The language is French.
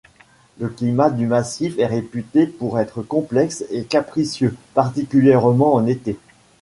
Le climat du massif est réputé pour être complexe et capricieux, particulièrement en été.